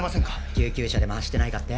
救急車でも走ってないかって？